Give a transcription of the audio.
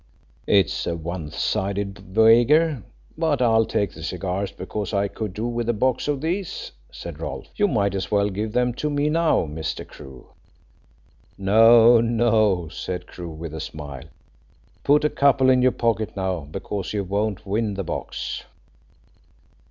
"It's a one sided wager, but I'll take the cigars because I could do with a box of these," said Rolfe. "You might as well give them to me now, Mr. Crewe." "No, no," said Crewe with a smile. "Put a couple in your pocket now, because you won't win the box."